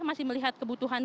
masih melihat kebutuhan